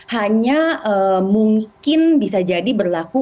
hanya mungkin bisa jadi berlaku